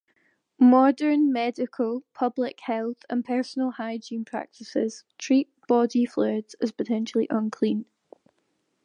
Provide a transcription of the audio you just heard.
Modern medical, public health, and personal hygiene practices treat body fluids as potentially unclean.